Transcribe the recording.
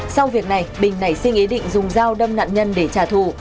sau việc này bình nảy sinh ý định dùng dao đâm nạn nhân để trả thù